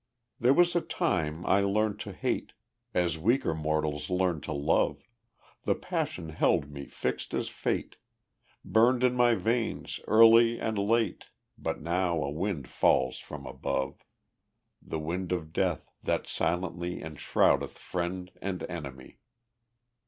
There was a time I learned to hate As weaker mortals learn to love; The passion held me fixed as fate, Burned in my veins early and late But now a wind falls from above The wind of death, that silently Enshroudeth friend and enemy.